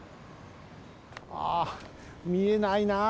あみえないなあ。